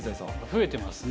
増えてますね。